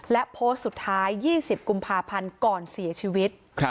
และโพสต์สุดท้าย๒๐กุมภาพันธ์ก่อนเสียชีวิต